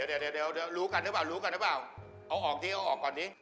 เดี๋ยวรู้กันหรือเปล่าเอาออกก่อนนี้